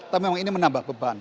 tapi memang ini menambah beban